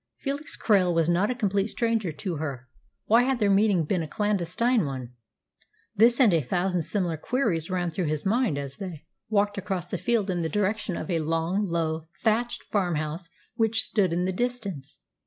Felix Krail was not a complete stranger to her. Why had their meeting been a clandestine one? This, and a thousand similar queries ran through his mind as they walked across the field in the direction of a long, low, thatched farmhouse which stood in the distance.